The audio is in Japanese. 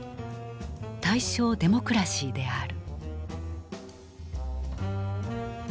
「大正デモクラシー」である。